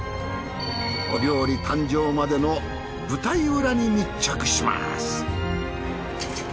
お料理誕生までの舞台裏に密着します。